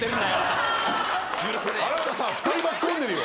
あなたさ２人巻き込んでるよ。